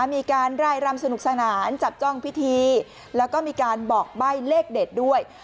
มีการร่ายรำสนุกสนานจับจ้องพิธีแล้วก็มีการบอกใบ้เลขเด็ดด้วย